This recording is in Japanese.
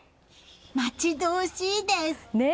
待ち遠しいです。